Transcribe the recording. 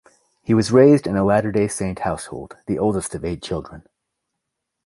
He was raised in a Latter-day Saint household, the oldest of eight children.